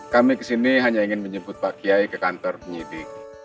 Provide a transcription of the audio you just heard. kami kesini hanya ingin menjemput pak kiai ke kantor penyidik